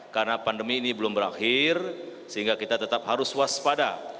karena pandemi ini belum berakhir sehingga kita tetap harus waspada